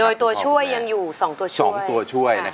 โดยตัวช่วยยังอยู่สองตัวช่วย